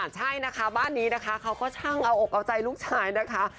ใช่นะคะบ้านนี้นะคะเขาก็ช่างเอาอกเอาใจลูกชายนะคะ